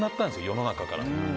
世の中から。